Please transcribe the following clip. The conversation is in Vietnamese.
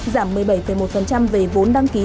giảm một mươi bảy một về vốn đăng ký